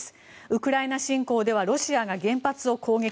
ウクライナ侵攻ではロシアが原発を攻撃。